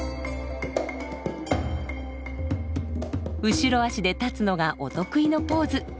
後ろ足で立つのがお得意のポーズ。